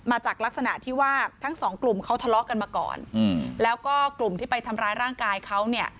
มาจากลักษณะที่ว่าทั้งสองกลุ่มเขาทะเลาะกันมาก่อนอืมแล้วก็กลุ่มที่ไปทำร้ายร่างกายเขาเนี่ย